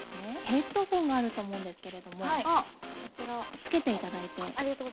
ヘッドホンがあると思うんですけれどもつけていただいて。